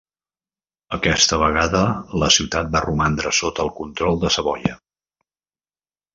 Aquesta vegada la ciutat va romandre sota el control de Savoia.